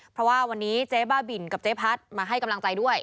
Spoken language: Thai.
เพราะว่าวันนี้เจ๊บ้าบินกับเจ๊พัดมาให้กำลังใจด้วย